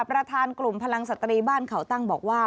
ประธานกลุ่มพลังสตรีบ้านเขาตั้งบอกว่า